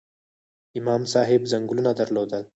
امام صاحب ځنګلونه درلودل؟